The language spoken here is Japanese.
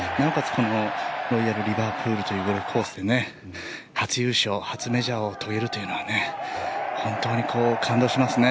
このロイヤル・リバプールというゴルフコースで初優勝、初メジャーを遂げるというのは本当に感動しますね。